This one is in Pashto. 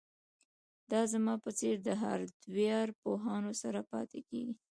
دا زما په څیر د هارډویر پوهانو سره پاتې کیږي